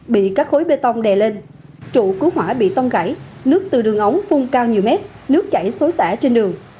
bị các khối bê tông đè lên trụ cứu hỏa bị tông gãy nước từ đường ống phun cao nhiều mét nước chảy xối xả trên đường